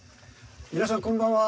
皆さんこんばんは。